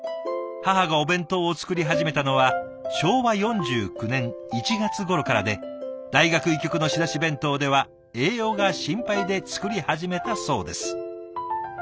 母がお弁当を作り始めたのは昭和４９年１月頃からで大学医局の仕出し弁当では栄養が心配で作り始めたそうです。